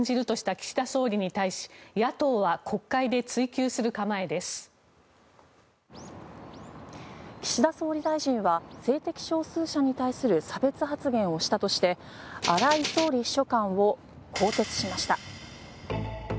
岸田総理大臣は性的少数者に対する差別発言をしたとして荒井総理秘書官を更迭しました。